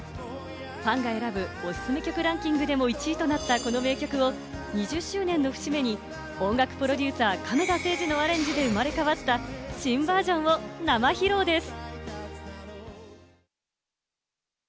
ファンが選ぶおすすめ曲ランキングでも１位となったこの名曲を、２０周年の節目に音楽プロデューサー・亀田誠治のアレンジで生まれ変わった新バージョンを生披露です。